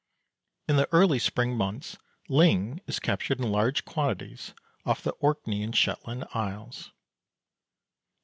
In the early spring months ling is captured in large quantities off the Orkney and Shetland Isles.